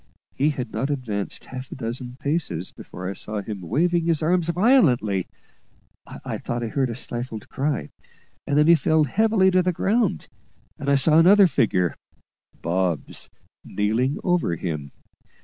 He had not advanced half a dozen paces before I saw him waving his arms violently; I thought I heard a stifled cry, and then he fell heavily to the ground; and I saw another figure Bob's kneeling over him.